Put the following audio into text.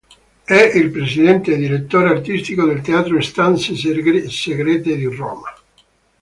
È il presidente e direttore artistico del Teatro stanze segrete di Roma.